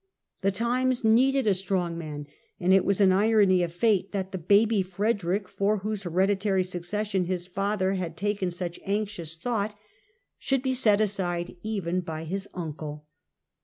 The times needed a strong man, and it was an irony of fate that the baby Frederick, for whose hereditary succession liis father had taken such anxious HENRY VI. AND INNOCENT III. 181 thought, should be set aside even by his uncle.